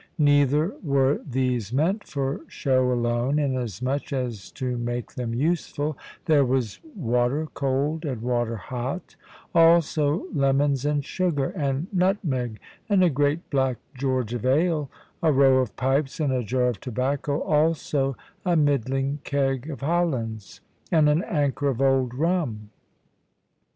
Neither were these meant for show alone, inasmuch as to make them useful, there was water cold and water hot, also lemons, and sugar, and nutmeg, and a great black George of ale, a row of pipes, and a jar of tobacco, also a middling keg of Hollands, and an anker of old rum.